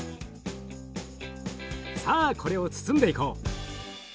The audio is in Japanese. さあこれを包んでいこう。